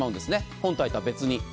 本体とは別に。